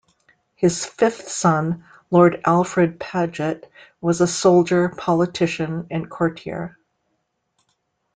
His fifth son, Lord Alfred Paget, was a soldier, politician and courtier.